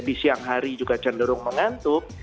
di siang hari juga cenderung mengantuk